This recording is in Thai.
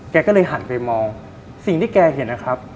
แกก็เลยหันไปมองสิ่งที่แกเห็นนะครับ